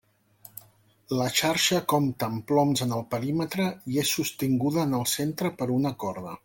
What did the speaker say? La xarxa compta amb ploms en el perímetre i és sostinguda en el centre per una corda.